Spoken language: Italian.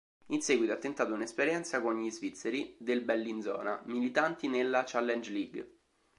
In seguito, ha tentato un'esperienza con gli svizzeri del Bellinzona, militanti nella Challenge League.